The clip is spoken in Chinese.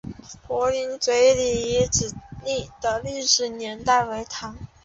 柏林嘴古城遗址的历史年代为唐。